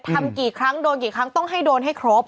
ทำกี่ครั้งโดนกี่ครั้งต้องให้โดนให้ครบ